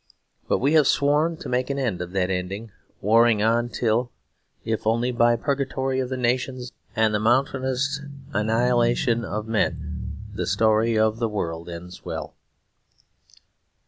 But we have sworn to make an end of that ending: warring on until, if only by a purgatory of the nations and the mountainous annihilation of men, the story of the world ends well.